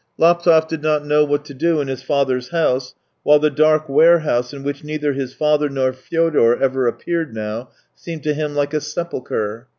Laptev did not know what to do in his father's house, whUe the dark warehouse in which neither his father nor Fyodor ever appeared now seemed to him like a sepulchre.